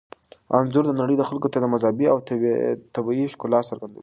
انځور د نړۍ خلکو ته مذهبي او طبیعي ښکلا څرګندوي.